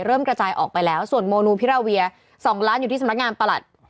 กระจายออกไปแล้วส่วนโมนูพิราเวีย๒ล้านอยู่ที่สำนักงานประหลัด